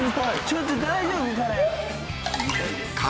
ちょっと大丈夫？